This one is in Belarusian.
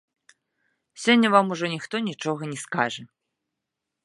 Сёння вам ужо ніхто нічога не скажа.